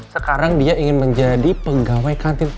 sekarang dia ingin menjadi pegawai kantin